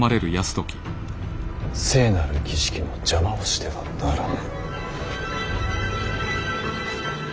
聖なる儀式の邪魔をしてはならぬ。